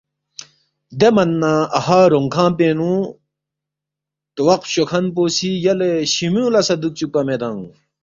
دے من نہ اَہا رونگ کھنگ پِنگ نہ تواق فچوکھن پو سی یلے شِمیُونگ لہ سہ دُوک چُوکپا میدانگ“